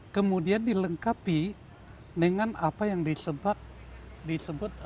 kemudian dilengkapi dengan apa yang disebut